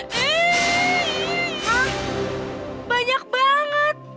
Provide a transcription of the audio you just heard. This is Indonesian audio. hah banyak banget